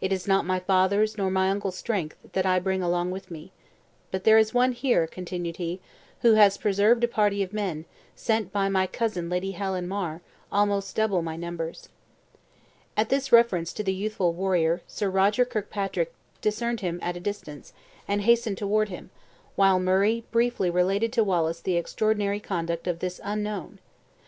It is not my father's nor my uncle's strength, that I bring along with me. But there is one here," continued he, "who has preserved a party of men, sent by my cousin Lady Helen Mar, almost double my numbers." At this reference to the youthful warrior, Sir Roger Kirkpatrick discerned him at a distance, and hastened toward him, while Murray briefly related to Wallace the extraordinary conduct of this unknown.